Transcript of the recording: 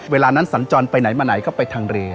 เวลานั้นสัญจรไปไหนมาไหนก็ไปทางเรือ